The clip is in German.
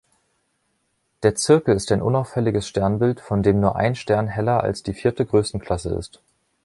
Der Zirkel ist ein unauffälliges Sternbild, von dem nur ein Stern heller als die vierte Größenklasse ist.